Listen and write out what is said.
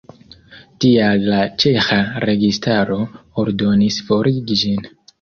Tial la ĉeĥa registaro ordonis forigi ĝin.